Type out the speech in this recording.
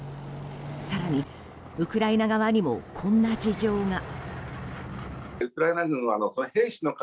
更に、ウクライナ側にもこんな事情が。